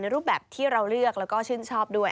รูปแบบที่เราเลือกแล้วก็ชื่นชอบด้วย